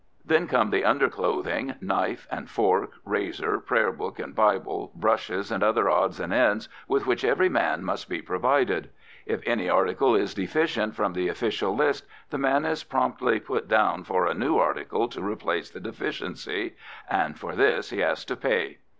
Then come the underclothing, knife and fork, razor, Prayer Book and Bible, brushes, and other odds and ends with which every man must be provided. If any article is deficient from the official list, the man is promptly "put down" for a new article to replace the deficiency and for this he has to pay.